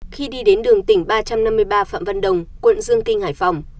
khi đi đến đường tỉnh ba trăm năm mươi ba phạm văn đồng quận dương kinh hải phòng